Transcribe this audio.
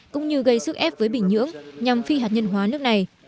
cũng như gây sức ép với bình nhưỡng nhằm phi hạt nhân hóa nước này